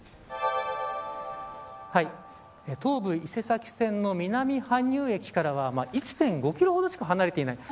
東武伊勢崎線の南羽生駅からは１．５キロほどしか離れていない。